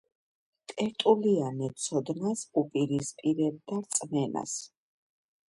ტერტულიანე ცოდნას უპირისპირებდა რწმენას.